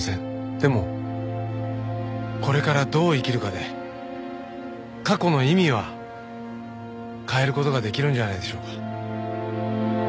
でもこれからどう生きるかで過去の意味は変える事ができるんじゃないでしょうか。